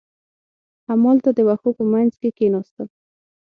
همالته د وښو په منځ کې کېناستم.